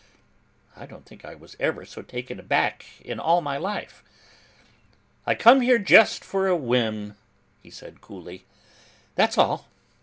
I don't think I was ever so taken aback in all my life. 'I come here just for a whim,' he said coolly. 'That's all.